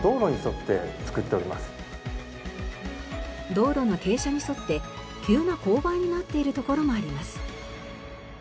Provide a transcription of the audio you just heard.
道路の傾斜に沿って急な勾配になっている所もあります。